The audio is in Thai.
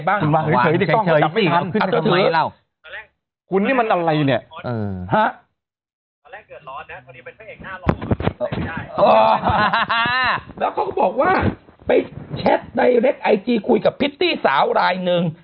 แล้วเขาก็บอกว่าไปแชทในเล็กไอจีคุยกับพริตตี้สาวรายหนึ่ง